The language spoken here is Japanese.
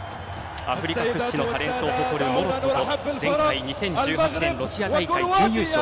アフリカ屈指のタレントを誇るモロッコと前回２０１８年ロシア大会準優勝